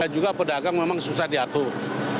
juga pedagang memang susah diatur